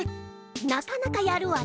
なかなかやるわね。